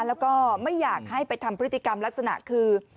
แล้วก็ไม่อยากให้ไปทำพฤติกรรมลักษณะคือ